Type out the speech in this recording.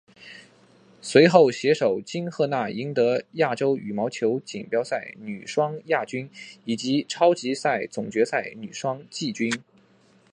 随后携手金荷娜赢得亚洲羽毛球锦标赛女双亚军以及超级赛总决赛女双季军。